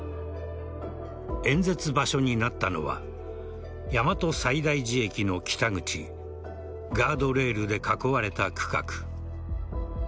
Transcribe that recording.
演説場所になったのは大和西大寺駅の北口ガードレールで囲まれた区画。